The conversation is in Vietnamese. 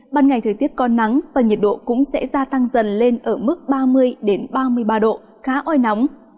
ban ngày thời tiết có nắng và nhiệt độ cũng sẽ gia tăng dần lên ở mức ba mươi ba mươi ba độ khá oi nóng